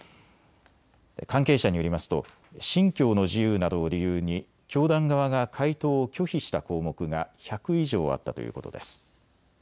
関係者によりますと信教の自由などを理由に教団側が回答を拒否した項目が１００以上あったということです。